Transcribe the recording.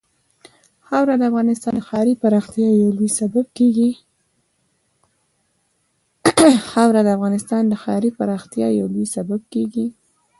خاوره د افغانستان د ښاري پراختیا یو لوی سبب کېږي.